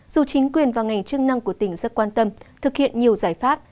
dù chính quyền và ngành chức năng của tỉnh rất quan tâm thực hiện nhiều giải pháp